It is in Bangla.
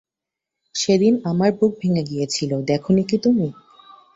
সেদিন আমার বুক ভেঙে গিয়েছিল, দেখ নি কি তুমি।